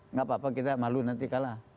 nggak apa apa kita malu nanti kalah